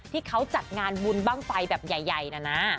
ที่เขาจัดงานบุญบ้างไฟแบบใหญ่นะนะ